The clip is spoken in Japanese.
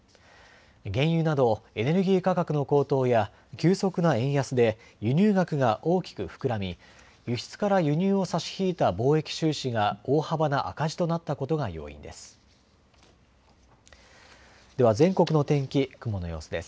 原油などエネルギー価格の高騰や急速な円安で輸入額が大きく膨らみ、輸出から輸入を差し引いた貿易収支が大幅な赤字となったことが要因です。